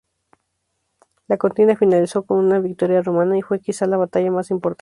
La contienda finalizó con una victoria romana y fue quizá la batalla más importante.